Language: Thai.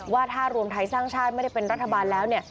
ว่าถ้ารวมไทยสร้างชาติไม่ได้เป็นรัฐบาลแล้วเนี่ย